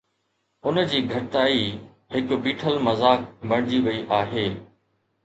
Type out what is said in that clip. ان جي گهٽتائي هڪ بيٺل مذاق بڻجي وئي آهي